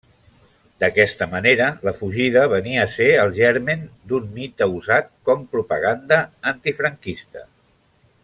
D'aquesta manera, la fugida venia a ser el germen d'un mite usat com propaganda antifranquista.